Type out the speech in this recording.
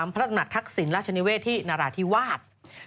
พระหนักทักษิณราชนิเวศที่นราธิวาส